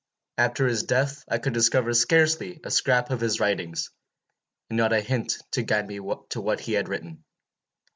After his death I could discover scarcely a scrap of his writings, and not a hint to guide me to what he had written.